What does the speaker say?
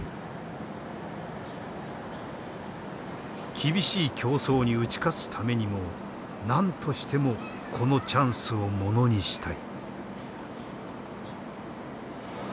厳しい競争に打ち勝つためにも何としてもこのチャンスをものにしたい。